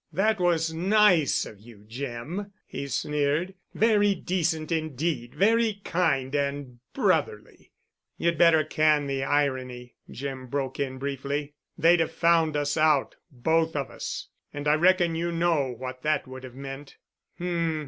That was nice of you, Jim," he sneered, "very decent indeed, very kind and brotherly——" "You'd better 'can' the irony," Jim broke in briefly. "They'd have found us out—both of us. And I reckon you know what that would have meant." "H—m.